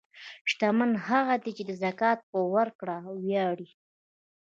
شتمن هغه دی چې د زکات په ورکړه ویاړي.